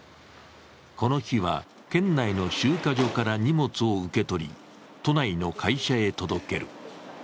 この日は、県内の集荷所から荷物を受け取り、都内の会社へ届ける。